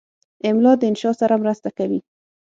املا د انشا سره مرسته کوي.